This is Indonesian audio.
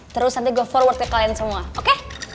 terus nanti gue forward ke kalian semua oke